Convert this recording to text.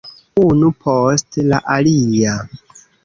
Unu post la alia.